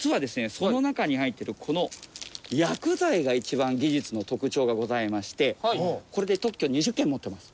その中に入っているこの薬剤が一番技術の特徴がございましてこれで特許２０件持ってます。